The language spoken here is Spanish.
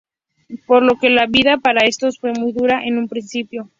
Por lo que la vida para estos fue muy dura en un principio.